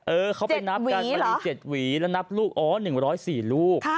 เออเขาไปนับกันมันมี๗หวีแล้วนับลูกอ๋อ๑๐๔ลูก